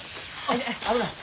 危ない！